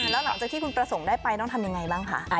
แล้วหลังจากที่คุณประสงค์ได้ไปต้องทำยังไงบ้างคะ